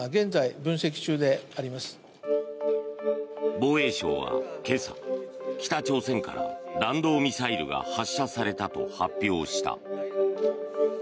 防衛省は今朝、北朝鮮から弾道ミサイルが発射されたと発表した。